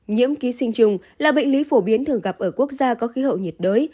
nhiễm ký sinh trùng là bệnh lý phổ biến thường gặp ở quốc gia có khí hậu nhiệt đới